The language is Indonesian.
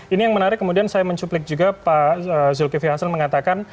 ini yang menarik kemudian saya mencuplik juga pak zulkifli hasan mengatakan